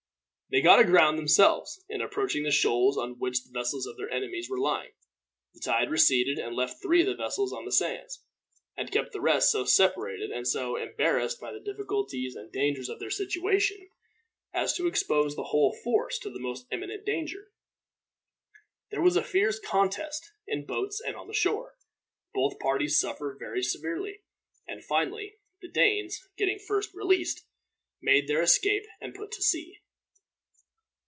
They got aground themselves in approaching the shoals on which the vessels of their enemies were lying. The tide receded and left three of the vessels on the sands, and kept the rest so separated and so embarrassed by the difficulties and dangers of their situation as to expose the whole force to the most imminent danger. There was a fierce contest in boats and on the shore. Both parties suffered very severely; and, finally, the Danes, getting first released, made their escape and put to sea.